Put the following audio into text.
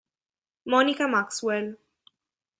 Monica Maxwell